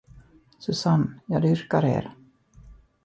Susanne, jag dyrkar er!